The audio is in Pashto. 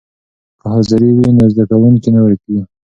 که حاضري وي نو زده کوونکی نه ورکېږي.